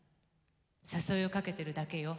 誘いをかけてるだけよ。